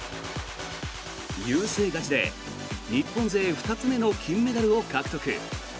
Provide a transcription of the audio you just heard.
優勢勝ちで日本勢２つ目の金メダルを獲得。